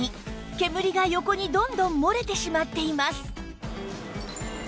煙が横にどんどん漏れてしまっています